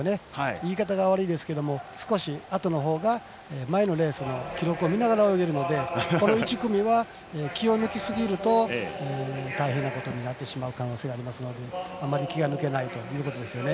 言い方が悪いですが少しあとのほうが前のレースの記録を見ながら泳げるのでこの１組は、気を抜きすぎると大変なことになる可能性があるのであまり気が抜けないですよね。